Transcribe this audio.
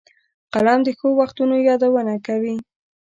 قلم د ښو وختونو یادونه کوي